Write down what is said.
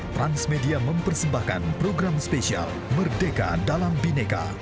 transmedia mempersembahkan program spesial merdeka dalam bineka